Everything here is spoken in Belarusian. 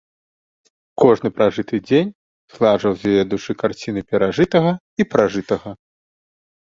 Кожны пражыты дзень згладжваў з яе душы карціны перажытага і пражытага.